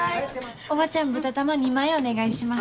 おばちゃん豚玉２枚お願いします。